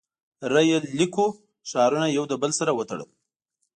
• ریل لیکو ښارونه یو له بل سره وتړل.